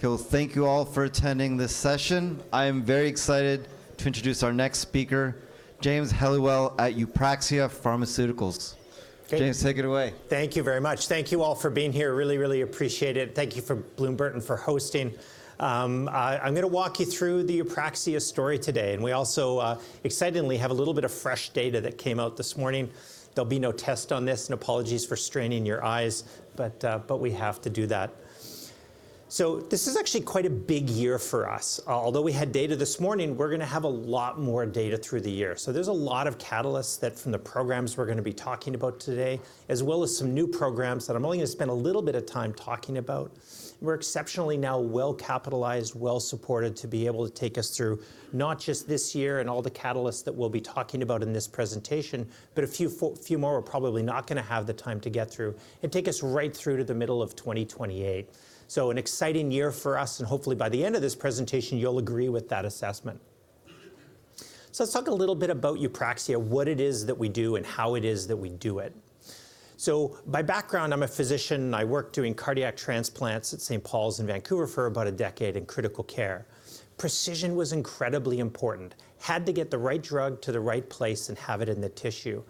Okay. Well, thank you all for attending this session. I am very excited to introduce our next speaker, James Helliwell at Eupraxia Pharmaceuticals. James, take it away. Thank you very much. Thank you all for being here. Really, really appreciate it. Thank you for Bloom Burton for hosting. We also excitedly have a little bit of fresh data that came out this morning. There'll be no test on this. Apologies for straining your eyes, but we have to do that. This is actually quite a big year for us. Although we had data this morning, we're going to have a lot more data through the year. There's a lot of catalysts that from the programs we're going to be talking about today, as well as some new programs that I'm only going to spend a little bit of time talking about. We're exceptionally now well-capitalized, well-supported to be able to take us through not just this year and all the catalysts that we'll be talking about in this presentation, but a few more we're probably not going to have the time to get through, and take us right through to the middle of 2028. An exciting year for us, and hopefully by the end of this presentation, you'll agree with that assessment. Let's talk a little bit about Eupraxia, what it is that we do, and how it is that we do it. My background, I'm a physician, and I worked doing cardiac transplants at St. Paul's in Vancouver for about a decade in critical care. Precision was incredibly important. Had to get the right drug to the right place and have it in the tissue.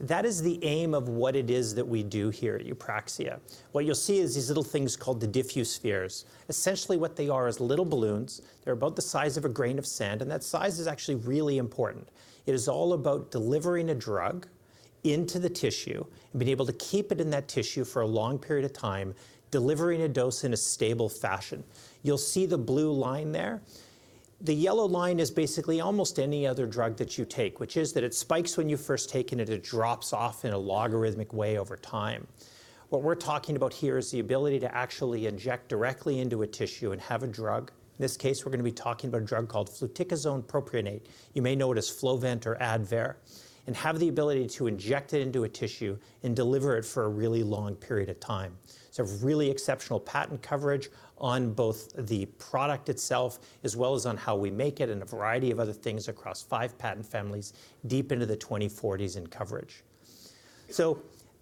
That is the aim of what it is that we do here at Eupraxia. What you'll see is these little things called the DiffuSpheres. Essentially what they are is little balloons. They're about the size of a grain of sand. That size is actually really important. It is all about delivering a drug into the tissue and being able to keep it in that tissue for a long period of time, delivering a dose in a stable fashion. You'll see the blue line there. The yellow line is basically almost any other drug that you take, which is that it spikes when you first take it, and it drops off in a logarithmic way over time. What we're talking about here is the ability to actually inject directly into a tissue and have a drug. In this case, we're going to be talking about a drug called fluticasone propionate, you may know it as Flovent or Advair, and have the ability to inject it into a tissue and deliver it for a really long period of time. Really exceptional patent coverage on both the product itself as well as on how we make it and a variety of other things across five patent families deep into the 2040s in coverage.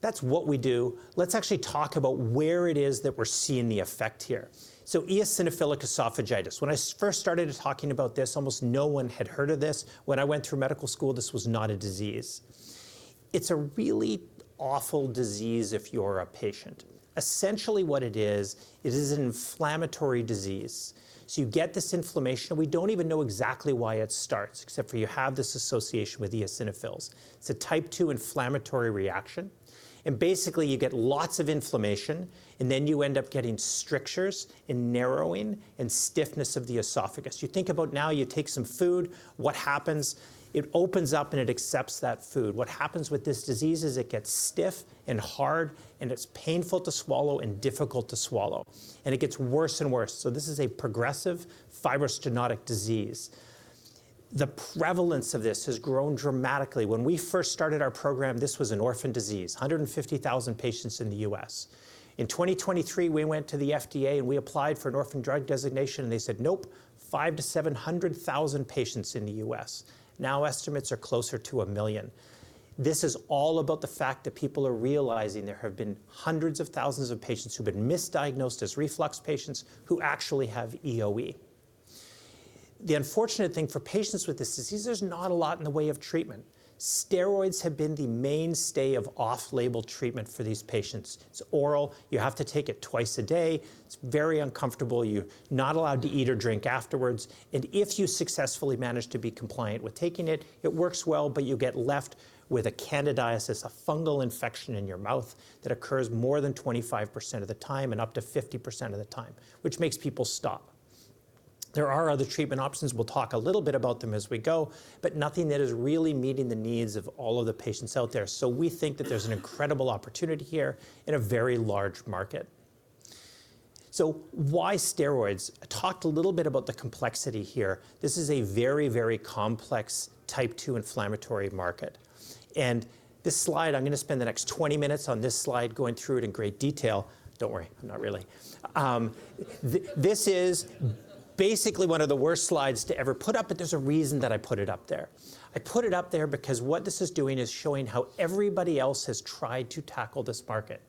That's what we do. Let's actually talk about where it is that we're seeing the effect here. Eosinophilic esophagitis. When I first started talking about this, almost no one had heard of this. When I went through medical school, this was not a disease. It's a really awful disease if you're a patient. Essentially what it is, it is an inflammatory disease. You get this inflammation. We don't even know exactly why it starts, except for you have this association with eosinophils. It's a Type two inflammatory reaction, basically, you get lots of inflammation, then you end up getting strictures and narrowing and stiffness of the esophagus. You think about now you take some food, what happens? It opens up, and it accepts that food. What happens with this disease is it gets stiff and hard, and it's painful to swallow and difficult to swallow, and it gets worse and worse. This is a progressive fibrostenotic disease. The prevalence of this has grown dramatically. When we first started our program, this was an orphan disease, 150,000 patients in the U.S. In 2023, we went to the FDA, and we applied for an orphan drug designation, and they said, "Nope, 5-700,000 patients in the U.S." Estimates are closer to one million. This is all about the fact that people are realizing there have been hundreds of thousands of patients who've been misdiagnosed as reflux patients who actually have EoE. The unfortunate thing for patients with this disease, there's not a lot in the way of treatment. Steroids have been the mainstay of off-label treatment for these patients. It's oral. You have to take it twice a day. It's very uncomfortable. You're not allowed to eat or drink afterwards. If you successfully manage to be compliant with taking it works well, but you get left with a candidiasis, a fungal infection in your mouth that occurs more than 25% of the time and up to 50% of the time, which makes people stop. There are other treatment options. We'll talk a little bit about them as we go, but nothing that is really meeting the needs of all of the patients out there. We think that there's an incredible opportunity here in a very large market. Why steroids? I talked a little bit about the complexity here. This is a very, very complex Type two inflammatory market, this slide, I'm going to spend the next 20 minutes on this slide, going through it in great detail. Don't worry. I'm not really. This is basically one of the worst slides to ever put up, but there's a reason that I put it up there. I put it up there because what this is doing is showing how everybody else has tried to tackle this market,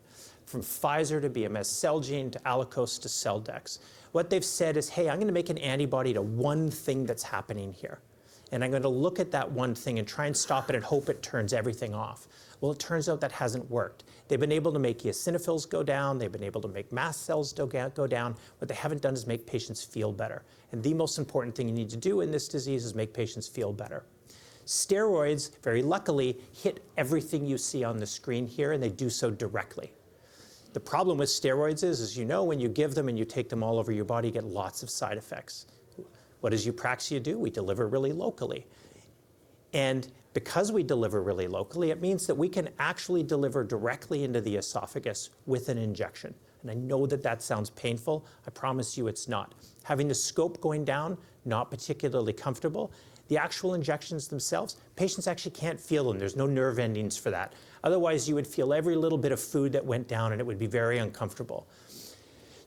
from Pfizer to BMS, Celgene to Allakos to Cellex. What they've said is, "Hey, I'm going to make an antibody to one thing that's happening here, and I'm going to look at that one thing and try and stop it and hope it turns everything off." Well, it turns out that hasn't worked. They've been able to make eosinophils go down. They've been able to make mast cells go down. What they haven't done is make patients feel better, and the most important thing you need to do in this disease is make patients feel better. Steroids, very luckily, hit everything you see on the screen here, and they do so directly. The problem with steroids is, as you know, when you give them, and you take them all over your body, you get lots of side effects. What does Eupraxia do? We deliver really locally, and because we deliver really locally, it means that we can actually deliver directly into the esophagus with an injection, and I know that that sounds painful. I promise you it's not. Having the scope going down, not particularly comfortable. The actual injections themselves, patients actually can't feel them. There's no nerve endings for that. Otherwise, you would feel every little bit of food that went down, and it would be very uncomfortable.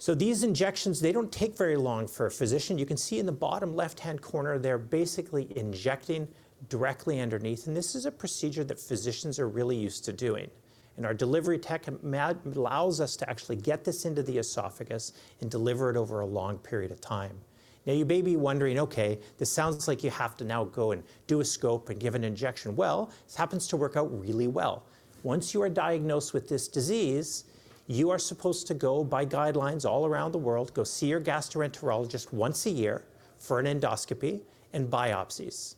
These injections, they don't take very long for a physician. You can see in the bottom left-hand corner, they're basically injecting directly underneath, and this is a procedure that physicians are really used to doing. Our delivery tech allows us to actually get this into the esophagus and deliver it over a long period of time. You may be wondering, okay, this sounds like you have to now go and do a scope and give an injection. Well, this happens to work out really well. Once you are diagnosed with this disease, you are supposed to go by guidelines all around the world, go see your gastroenterologist once a year for an endoscopy and biopsies.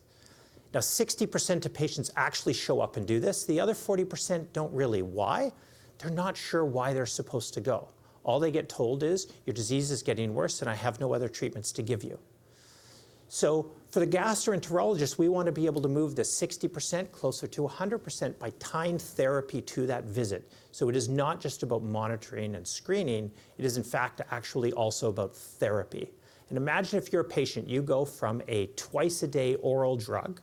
60% of patients actually show up and do this. The other 40% don't really. Why? They're not sure why they're supposed to go. All they get told is, "Your disease is getting worse, and I have no other treatments to give you." For the gastroenterologist, we want to be able to move the 60% closer to 100% by tying therapy to that visit. It is not just about monitoring and screening, it is in fact, actually also about therapy. Imagine if you're a patient, you go from a twice-a-day oral drug,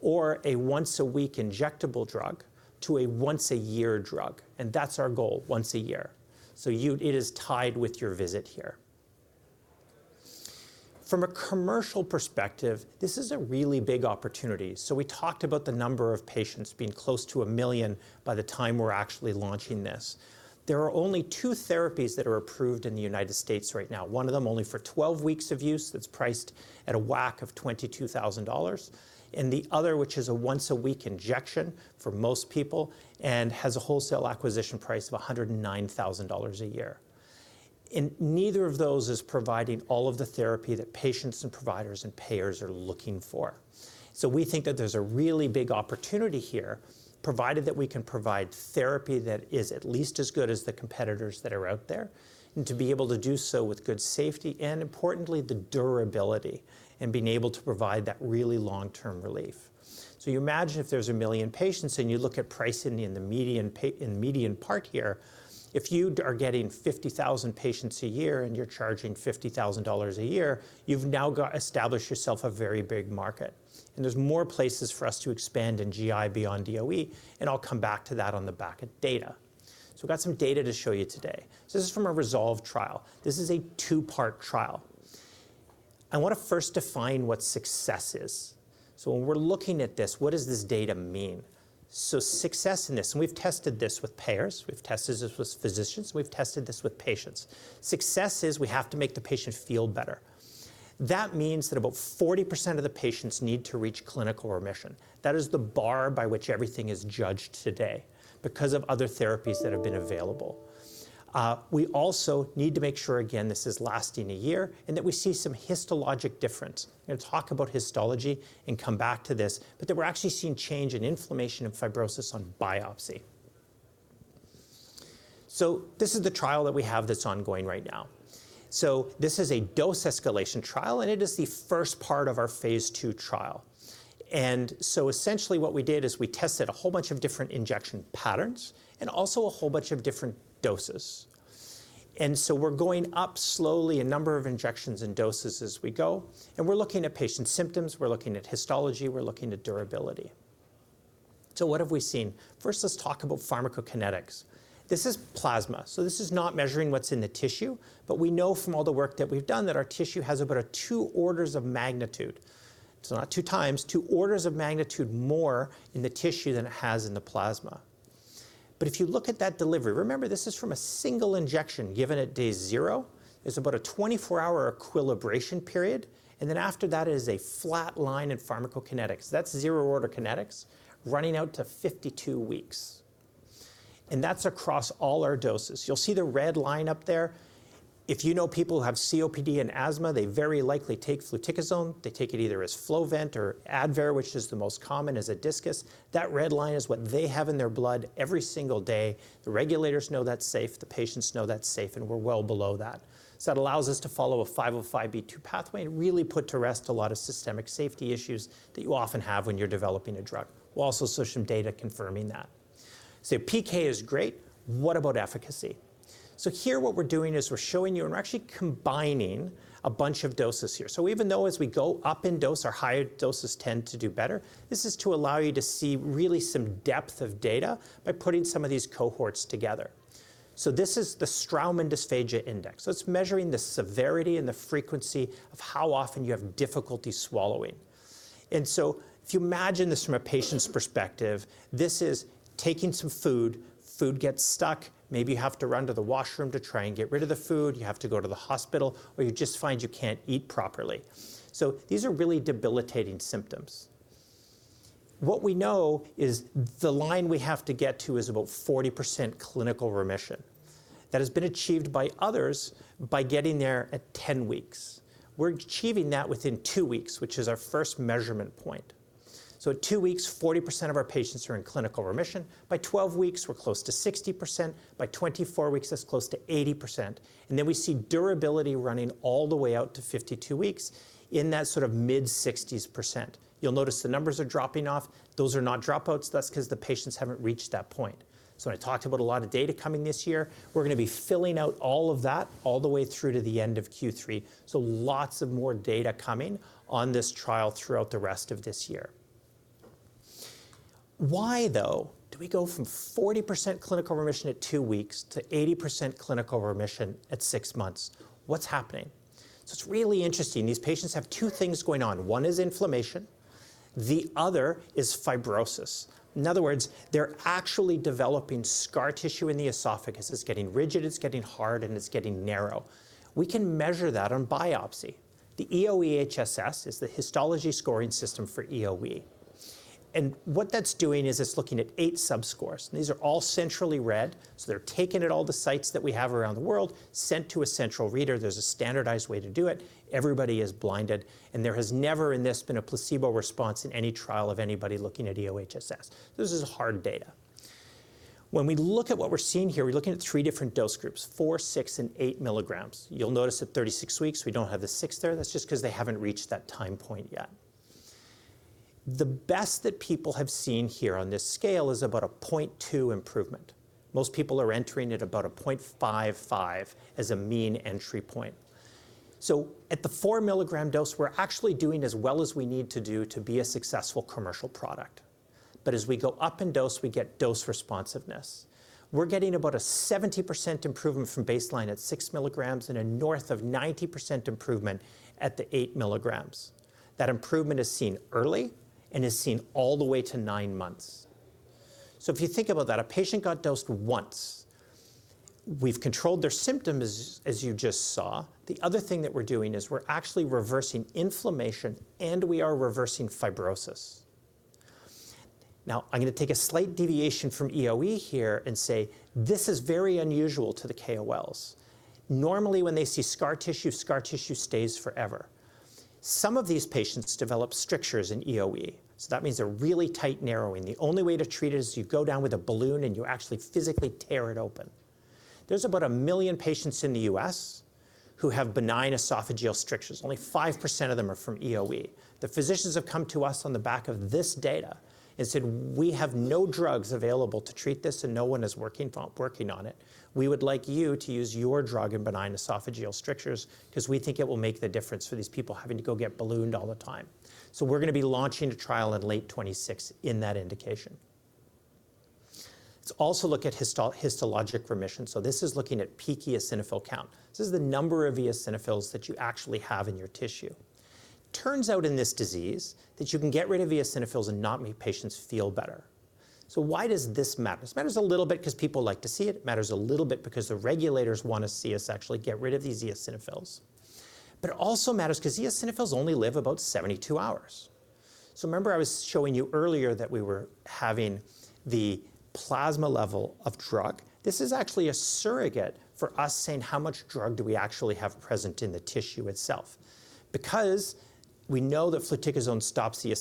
or a once-a-week injectable drug, to a once-a-year drug. That's our goal, once a year. It is tied with your visit here. From a commercial perspective, this is a really big opportunity. We talked about the number of patients being close to a million by the time we're actually launching this. There are only two therapies that are approved in the United States right now. One of them only for 12 weeks of use, that's priced at a WAC of $22,000. The other, which is a once-a-week injection for most people and has a wholesale acquisition price of $109,000 a year. Neither of those is providing all of the therapy that patients and providers and payers are looking for. We think that there is a really big opportunity here, provided that we can provide therapy that is at least as good as the competitors that are out there, and to be able to do so with good safety and importantly, the durability and being able to provide that really long-term relief. You imagine if there is one million patients and you look at pricing in the median part here, if you are getting 50,000 patients a year and you are charging $50,000 a year, you have now established yourself a very big market. There is more places for us to expand in GI beyond EoE, and I will come back to that on the back of data. We have got some data to show you today. This is from a RESOLVE trial. This is a two-part trial. I want to first define what success is. When we are looking at this, what does this data mean? Success in this, and we have tested this with payers, we have tested this with physicians, we have tested this with patients. Success is we have to make the patient feel better. That means that about 40% of the patients need to reach clinical remission. That is the bar by which everything is judged today because of other therapies that have been available. We also need to make sure, again, this is lasting a year and that we see some histologic difference. We are going to talk about histology and come back to this, but that we are actually seeing change in inflammation and fibrosis on biopsy. This is the trial that we have that is ongoing right now. This is a dose escalation trial, and it is the first part of our phase II trial. Essentially what we did is we tested a whole bunch of different injection patterns and also a whole bunch of different doses. We are going up slowly a number of injections and doses as we go, and we are looking at patient symptoms, we are looking at histology, we are looking at durability. What have we seen? First, let us talk about pharmacokinetics. This is plasma. This is not measuring what is in the tissue, but we know from all the work that we have done that our tissue has about two orders of magnitude. Not two times, two orders of magnitude more in the tissue than it has in the plasma. But if you look at that delivery, remember, this is from a single injection given at day zero. There is about a 24-hour equilibration period, and then after that is a flat line in pharmacokinetics. That is zero-order kinetics running out to 52 weeks. That is across all our doses. You will see the red line up there. If you know people who have COPD and asthma, they very likely take fluticasone. They take it either as Flovent or Advair, which is the most common as a discus. That red line is what they have in their blood every single day. The regulators know that is safe, the patients know that is safe, and we are well below that. That allows us to follow a 505(b)(2) pathway and really put to rest a lot of systemic safety issues that you often have when you are developing a drug. We will also show some data confirming that. PK is great. What about efficacy? Here what we are doing is we are showing you, and we are actually combining a bunch of doses here. Even though as we go up in dose, our higher doses tend to do better, this is to allow you to see really some depth of data by putting some of these cohorts together. This is the Straumann Dysphagia Instrument. It's measuring the severity and the frequency of how often you have difficulty swallowing. If you imagine this from a patient's perspective, this is taking some food gets stuck, maybe you have to run to the washroom to try and get rid of the food, you have to go to the hospital, or you just find you can't eat properly. These are really debilitating symptoms. What we know is the line we have to get to is about 40% clinical remission. That has been achieved by others by getting there at 10 weeks. We're achieving that within two weeks, which is our first measurement point. At two weeks, 40% of our patients are in clinical remission. By 12 weeks, we're close to 60%. By 24 weeks, that's close to 80%. Then we see durability running all the way out to 52 weeks in that sort of mid-60s percent. You'll notice the numbers are dropping off. Those are not dropouts. That's because the patients haven't reached that point. When I talked about a lot of data coming this year, we're going to be filling out all of that all the way through to the end of Q3. Lots of more data coming on this trial throughout the rest of this year. Why though, do we go from 40% clinical remission at two weeks to 80% clinical remission at six months? What's happening? It's really interesting. These patients have two things going on. One is inflammation, the other is fibrosis. In other words, they're actually developing scar tissue in the esophagus. It's getting rigid, it's getting hard, and it's getting narrow. We can measure that on biopsy. The EoE HSS is the histology scoring system for EoE. What that's doing is it's looking at eight subscores, and these are all centrally read, so they're taken at all the sites that we have around the world, sent to a central reader. There's a standardized way to do it. Everybody is blinded, and there has never in this been a placebo response in any trial of anybody looking at EoE HSS. This is hard data. When we look at what we're seeing here, we're looking at three different dose groups, 4, 6, and 8 mg. You'll notice at 36 weeks, we don't have the six there. That's just because they haven't reached that time point yet. The best that people have seen here on this scale is about a 0.2 improvement. Most people are entering at about a 0.55 as a mean entry point. At the 4-mg dose, we're actually doing as well as we need to do to be a successful commercial product. As we go up in dose, we get dose responsiveness. We're getting about a 70% improvement from baseline at 6 mg and a north of 90% improvement at the 8 mg. That improvement is seen early and is seen all the way to nine months. If you think about that, a patient got dosed once. We've controlled their symptoms as you just saw. The other thing that we're doing is we're actually reversing inflammation, and we are reversing fibrosis. I'm going to take a slight deviation from EoE here and say this is very unusual to the KOLs. Normally, when they see scar tissue, scar tissue stays forever. Some of these patients develop strictures in EoE, that means a really tight narrowing. The only way to treat it is you go down with a balloon, you actually physically tear it open. There's about one million patients in the U.S. who have benign esophageal strictures. Only 5% of them are from EoE. The physicians have come to us on the back of this data and said, "We have no drugs available to treat this, no one is working on it. We would like you to use your drug in benign esophageal strictures because we think it will make the difference for these people having to go get ballooned all the time." We're going to be launching a trial in late 2026 in that indication. Let's also look at histologic remission. This is looking at peak eosinophil count. This is the number of eosinophils that you actually have in your tissue. Turns out in this disease that you can get rid of eosinophils and not make patients feel better. Why does this matter? This matters a little bit because people like to see it, matters a little bit because the regulators want to see us actually get rid of these eosinophils. It also matters because eosinophils only live about 72 hours. Remember I was showing you earlier that we were having the plasma level of drug. This is actually a surrogate for us saying how much drug do we actually have present in the tissue itself. Because we know that fluticasone stops the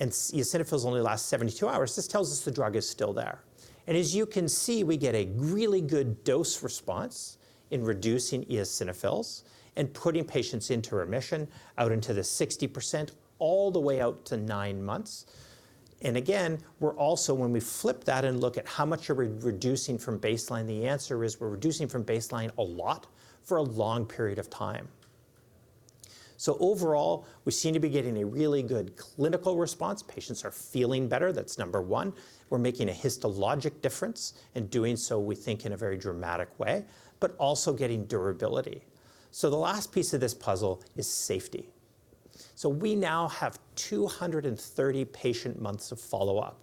eosinophils only last 72 hours, this tells us the drug is still there. As you can see, we get a really good dose response in reducing eosinophils and putting patients into remission out into the 60%, all the way out to nine months. Again, we're also when we flip that and look at how much are we reducing from baseline, the answer is we're reducing from baseline a lot for a long period of time. Overall, we seem to be getting a really good clinical response. Patients are feeling better, that's number one. We're making a histologic difference, doing so, we think, in a very dramatic way, also getting durability. The last piece of this puzzle is safety. We now have 230 patient months of follow-up.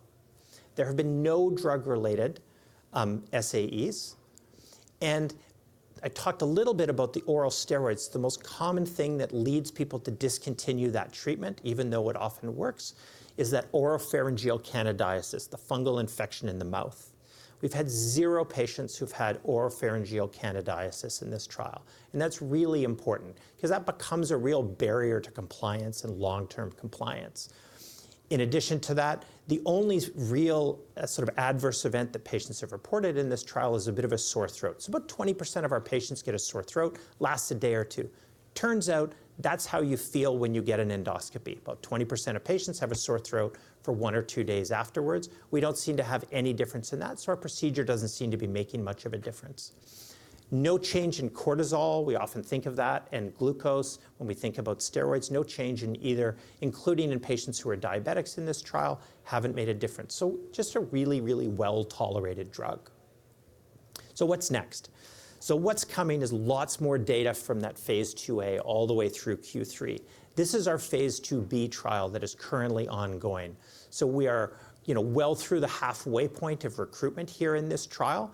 There have been no drug-related SAEs, I talked a little bit about the oral steroids. The most common thing that leads people to discontinue that treatment, even though it often works, is that oropharyngeal candidiasis, the fungal infection in the mouth. We've had zero patients who've had oropharyngeal candidiasis in this trial, that's really important because that becomes a real barrier to compliance and long-term compliance. In addition to that, the only real sort of adverse event that patients have reported in this trial is a bit of a sore throat. About 20% of our patients get a sore throat, lasts a day or two. Turns out that's how you feel when you get an endoscopy. About 20% of patients have a sore throat for one or two days afterwards. We don't seem to have any difference in that, our procedure doesn't seem to be making much of a difference. No change in cortisol, we often think of that, and glucose when we think about steroids. No change in either, including in patients who are diabetics in this trial, haven't made a difference. Just a really well-tolerated drug. What's next? What's coming is lots more data from that phase IIa all the way through Q3. This is our phase IIb trial that is currently ongoing. We are well through the halfway point of recruitment here in this trial,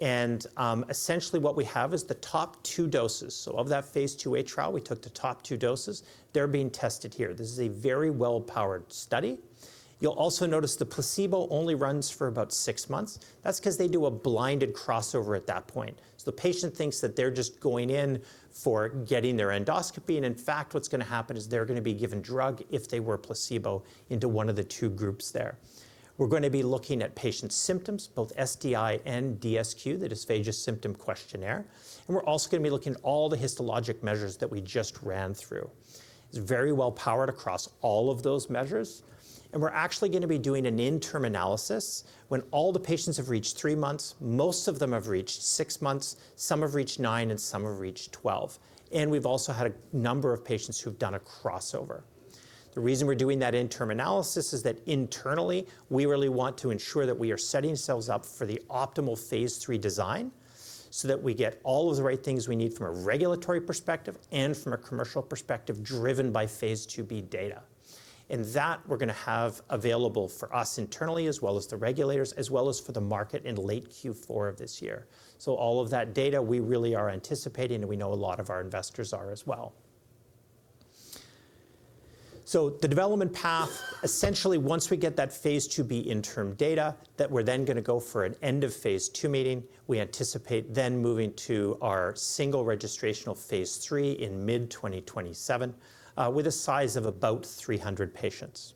and, essentially what we have is the top two doses. Of that phase IIa trial, we took the top two doses. They're being tested here. This is a very well-powered study. You'll also notice the placebo only runs for about six months. That's because they do a blinded crossover at that point. The patient thinks that they're just going in for getting their endoscopy, and in fact, what's going to happen is they're going to be given drug if they were placebo into one of the two groups there. We're going to be looking at patient symptoms, both SDI and DSQ, the Dysphagia Symptom Questionnaire, and we're also going to be looking at all the histologic measures that we just ran through. It's very well powered across all of those measures, and we're actually going to be doing an interim analysis when all the patients have reached three months, most of them have reached six months, some have reached nine, and some have reached 12. We've also had a number of patients who've done a crossover. The reason we're doing that interim analysis is that internally, we really want to ensure that we are setting ourselves up for the optimal phase III design so that we get all of the right things we need from a regulatory perspective and from a commercial perspective, driven by phase IIb data. That we're going to have available for us internally as well as the regulators, as well as for the market in late Q4 of this year. All of that data we really are anticipating, and we know a lot of our investors are as well. The development path, essentially, once we get that phase IIb interim data, that we're then going to go for an End of Phase II meeting. We anticipate then moving to our single registrational phase III in mid-2027, with a size of about 300 patients.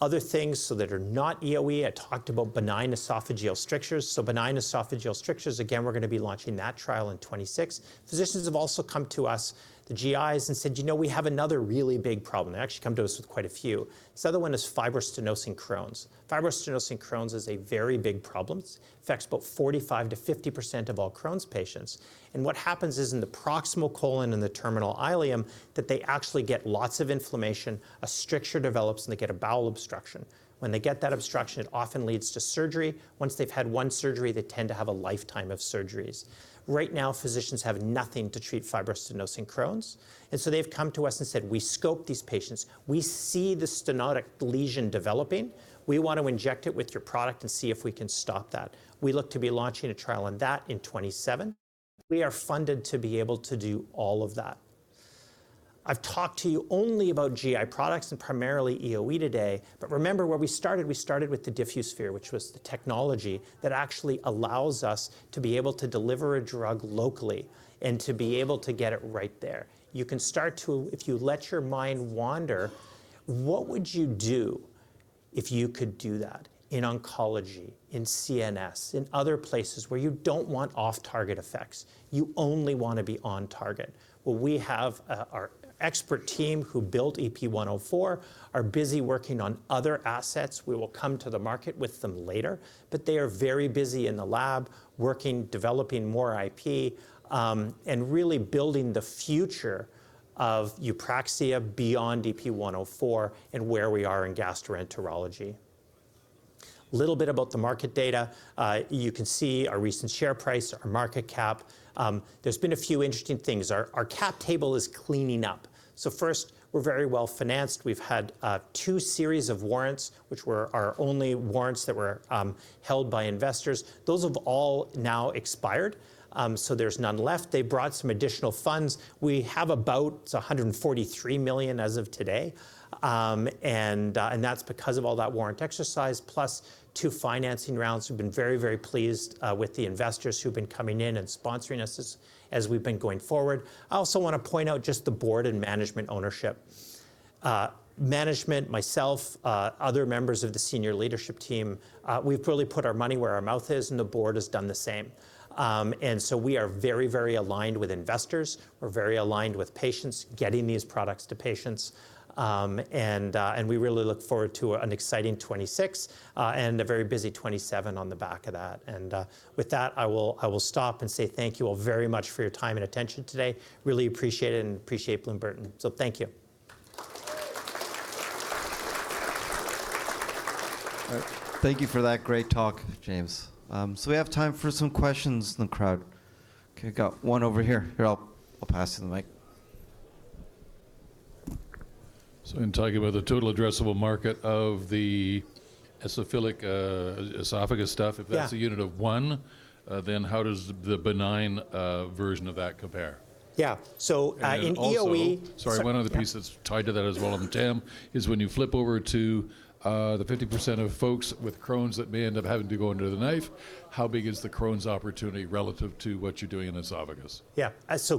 Other things, that are not EoE, I talked about benign esophageal strictures. Benign esophageal strictures, again, we're going to be launching that trial in 2026. Physicians have also come to us, the GIs, and said, "We have another really big problem." They actually come to us with quite a few. This other one is fibrostenotic Crohn's. Fibrostenotic Crohn's is a very big problem. It affects about 45%-50% of all Crohn's patients. What happens is in the proximal colon and the terminal ileum, that they actually get lots of inflammation. A stricture develops, and they get a bowel obstruction. When they get that obstruction, it often leads to surgery. Once they've had one surgery, they tend to have a lifetime of surgeries. Right now, physicians have nothing to treat fibrostenotic Crohn's. They've come to us and said, "We scope these patients. We see the stenotic lesion developing. We want to inject it with your product and see if we can stop that." We look to be launching a trial on that in 2027. We are funded to be able to do all of that. I've talked to you only about GI products and primarily EoE today. Remember where we started, we started with the DiffuSphere, which was the technology that actually allows us to be able to deliver a drug locally and to be able to get it right there. You can start to, if you let your mind wander, what would you do if you could do that in oncology, in CNS, in other places where you don't want off-target effects? You only want to be on target. We have our expert team who built EP104, are busy working on other assets. We will come to the market with them later, but they are very busy in the lab working, developing more IP, and really building the future of Eupraxia beyond EP104 and where we are in gastroenterology. Little bit about the market data. You can see our recent share price, our market cap. There's been a few interesting things. Our cap table is cleaning up. First, we're very well-financed. We've had two series of warrants, which were our only warrants that were held by investors. Those have all now expired, so there's none left. They brought some additional funds. We have about $143 million as of today, and that's because of all that warrant exercise, plus two financing rounds. We've been very, very pleased with the investors who've been coming in and sponsoring us as we've been going forward. I also want to point out just the board and management ownership. Management, myself, other members of the senior leadership team, we've really put our money where our mouth is, and the board has done the same. We are very, very aligned with investors. We're very aligned with patients, getting these products to patients. We really look forward to an exciting 2026, and a very busy 2027 on the back of that. With that, I will stop and say thank you all very much for your time and attention today. Really appreciate it and appreciate Bloom Burton. Thank you. All right. Thank you for that great talk, James. We have time for some questions from the crowd. Got one over here. Here, I'll pass you the mic. In talking about the total addressable market of the esophagic stuff. If that's a unit of one, then how does the benign version of that compare? Yeah. In EoE. Also, sorry, one other piece that's tied to that as well, and Tim, is when you flip over to the 50% of folks with Crohn's that may end up having to go under the knife, how big is the Crohn's opportunity relative to what you're doing in esophagus? Yeah.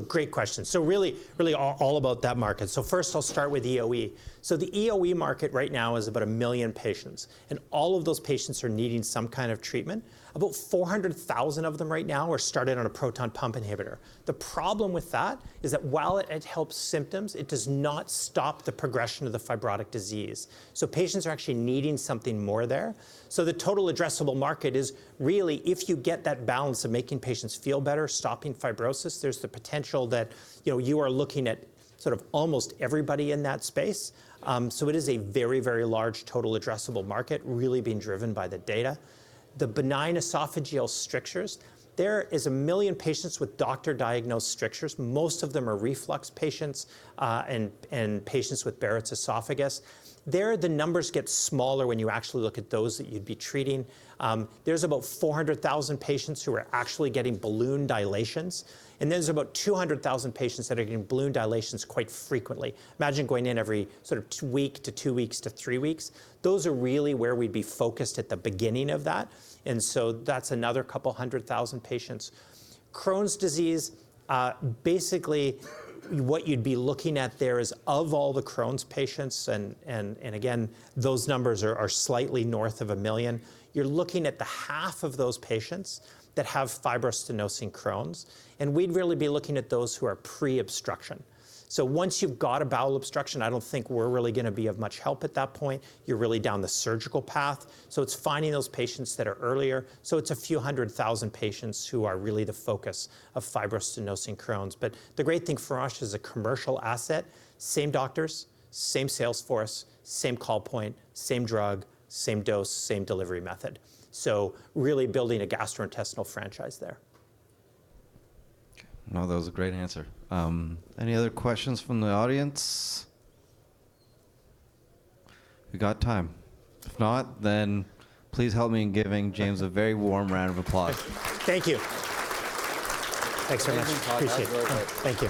Great question. Really all about that market. First I'll start with EoE. The EoE market right now is about one million patients, and all of those patients are needing some kind of treatment. About 400,000 of them right now are started on a proton pump inhibitor. The problem with that is that while it helps symptoms, it does not stop the progression of the fibrotic disease. Patients are actually needing something more there. The total addressable market is really if you get that balance of making patients feel better, stopping fibrosis, there is the potential that you are looking at sort of almost everybody in that space. It is a very, very large total addressable market really being driven by the data. The benign esophageal strictures, there is one million patients with doctor-diagnosed strictures. Most of them are reflux patients, and patients with Barrett's esophagus. There, the numbers get smaller when you actually look at those that you'd be treating. There's about 400,000 patients who are actually getting balloon dilations, and there's about 200,000 patients that are getting balloon dilations quite frequently. Imagine going in every sort of week to two weeks to three weeks. Those are really where we'd be focused at the beginning of that. That's another couple hundred thousand patients. Crohn's disease, basically what you'd be looking at there is of all the Crohn's patients, and again, those numbers are slightly north of one million. You're looking at the half of those patients that have fibrostenotic Crohn's, and we'd really be looking at those who are pre-obstruction. Once you've got a bowel obstruction, I don't think we're really going to be of much help at that point. You're really down the surgical path. It's finding those patients that are earlier. It's a few hundred thousand patients who are really the focus of fibrostenotic Crohn's. The great thing for us is a commercial asset, same doctors, same sales force, same call point, same drug, same dose, same delivery method. Really building a gastrointestinal franchise there. That was a great answer. Any other questions from the audience? We got time. If not, please help me in giving James a very warm round of applause. Thank you. Thanks very much. Appreciate it. Awesome talk. Thank you.